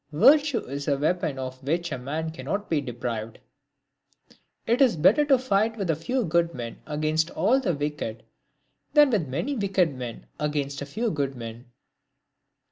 Virtue is a weapon of which a man cannot be deprived. It is better to fight with a few good men against all the wicked, than with many wicked men against a few good men.